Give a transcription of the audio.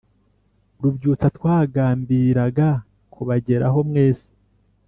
rubyutsa twagambiraga kubageraho mwese